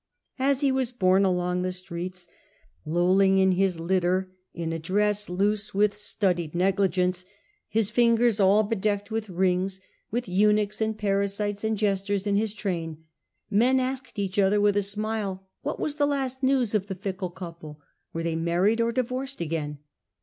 As he was borne along the streets, lolling in his litter, in a dress loose with studied 28 The Earlier Empire, b.c. 31 — negligence, his fingers all bedecked with rings, with eunuchs and parasites and jesters in his train, men asked each other with a smile what was the last news of the fickle couple — were they married or divorced again?